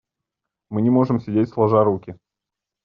Мы не можем сидеть сложа руки.